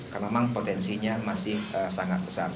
karena memang potensinya masih sangat besar